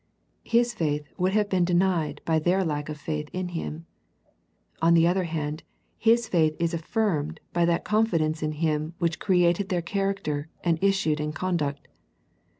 His faith would have been denied by their lack of faith in Him. On the other hand. His faith is affirmed by that confidence in Him which created their character, and is sued in conduct.